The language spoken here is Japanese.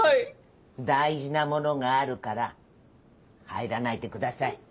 大事なものがあるから入らないでください。